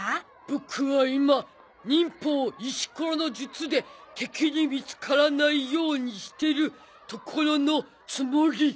ボクは今忍法石ころの術で敵に見つからないようにしてるところのつもり。